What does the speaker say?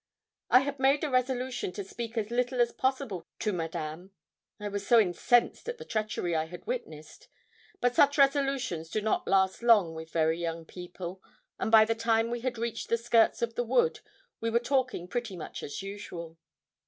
I had made a resolution to speak as little as possible to Madame, I was so incensed at the treachery I had witnessed; but such resolutions do not last long with very young people, and by the time we had reached the skirts of the wood we were talking pretty much as usual.